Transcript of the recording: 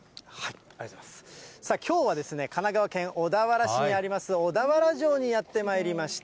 きょうは神奈川県小田原市にあります、小田原城にやってまいりました。